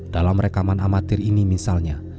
dalam rekaman amatir ini misalnya